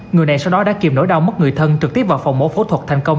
người này sau đó đã kiềm nỗi đau mất người thân trực tiếp vào phòng mổ phẫu thuật thành công